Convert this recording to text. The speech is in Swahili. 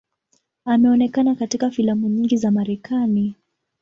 Ameonekana katika filamu nyingi za Marekani.